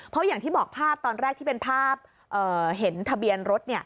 เพราะอย่างที่บอกภาพตอนแรกที่เป็นภาพเห็นทะเบียนรถ